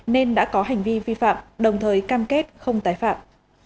nên đã có hành vi vi phạm đồng thời cam kết không tái phạm